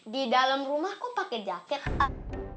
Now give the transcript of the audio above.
di dalam rumah kok pake jaket